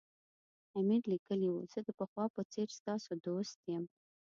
امیر لیکلي وو زه د پخوا په څېر ستاسو دوست یم.